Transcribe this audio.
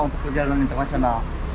untuk perjalanan internasional